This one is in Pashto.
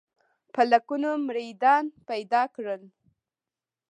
په لکونو مریدان پیدا کړل.